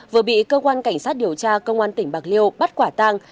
vừa bị cơ quan cảnh sát điều tra công an tỉnh bạc liêu bắt quả tang